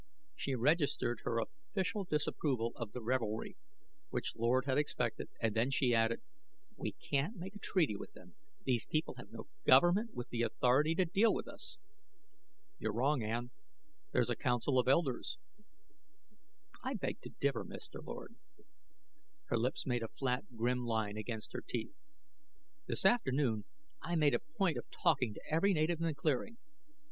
She registered her official disapproval of the revelry, which Lord had expected, and then she added, "We can't make a treaty with them; these people have no government with the authority to deal with us." "You're wrong, Ann; there's a council of elders " "I beg to differ, Mr. Lord." Her lips made a flat, grim line against her teeth. "This afternoon I made a point of talking to every native in the clearing.